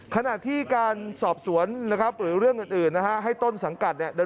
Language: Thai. ขณะที่การสอบสวนนะครับหรือเรื่องอื่นนะฮะให้ต้นสังกัดเนี่ย